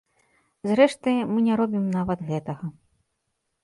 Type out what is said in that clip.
Зрэшты, мы не робім нават гэтага.